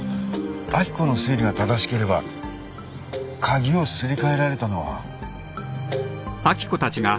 明子の推理が正しければ鍵をすり替えられたのは。